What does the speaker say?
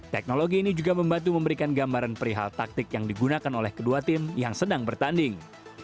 teknologi ini juga membantu memberikan gambaran perihal taktik yang digunakan oleh kedua tim yang sedang bertanding